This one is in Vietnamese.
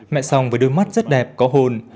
mẹ song với đôi mắt rất đẹp có hồn